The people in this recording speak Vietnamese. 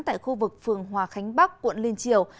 tại khu vực phường hòa khánh bắc quận liên triều